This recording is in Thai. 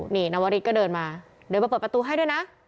นี่นวริสก็เดินมาเดินมาเปิดประตูให้ด้วยนะ